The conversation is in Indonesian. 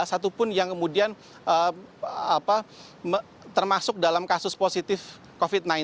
satupun yang kemudian termasuk dalam kasus positif covid sembilan belas